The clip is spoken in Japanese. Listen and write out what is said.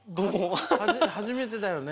初めてだよね。